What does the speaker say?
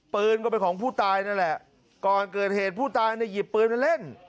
ปืนก็เป็นของผู้ตายนั่นแหละก่อนเกิดเหตุผู้ตายเนี่ยหยิบปืนมาเล่น